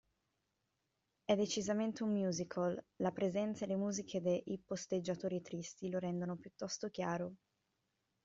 È decisamente un musical, la presenza e le musiche de "I posteggiatori tristi" lo rendono piuttosto chiaro.